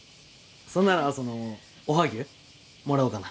そんならそのおはぎゅうもらおうかな。